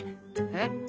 えっ？